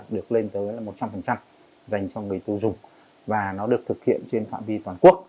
được lên tới một trăm linh dành cho người tiêu dùng và nó được thực hiện trên phạm vi toàn quốc